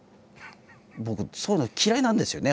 僕そういうの嫌いなんですよね